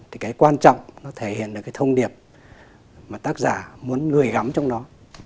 thì cái quan trọng nó thể hiện được cái thông điệp mà tác giả muốn người gắm trong đó